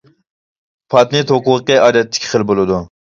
پاتېنت ھوقۇقى ئادەتتە ئىككى خىل بولىدۇ.